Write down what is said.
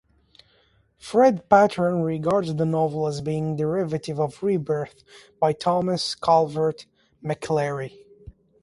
Fred Patten regards the novel as being derivative of "Rebirth" by Thomas Calvert McClary.